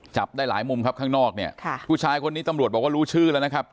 จับได้หลายมุมครับข้างนอกเนี่ยค่ะผู้ชายคนนี้ตำรวจบอกว่ารู้ชื่อแล้วนะครับ